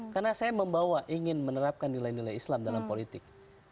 karena saya membawa ingin menerapkan nilai nilai islam dalam politik